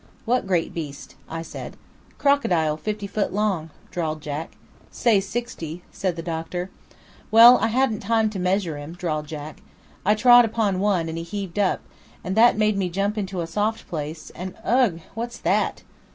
"What great beast?" I said. "Crocodile fifty foot long," drawled Jack. "Say sixty," said the doctor. "Well, I hadn't time to measure him," drawled Jack. "I trod upon one, and he heaved up, and that made me jump into a soft place, and ugh! what's that?"